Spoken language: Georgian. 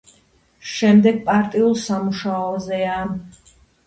შემდეგ პარტიულ სამუშაოზეა.